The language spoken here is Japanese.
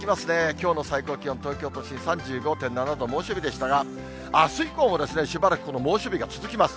きょうの最高気温、東京都心３５．７度、猛暑日でしたが、あす以降もしばらくこの猛暑日が続きます。